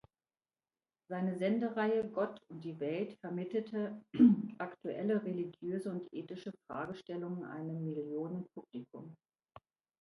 Seine Sendereihe "Gott und die Welt" vermittelte aktuelle religiöse und ethische Fragestellungen einem Millionenpublikum.